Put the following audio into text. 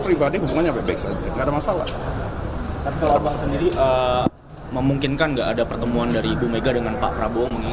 ibu megawati dan prabowo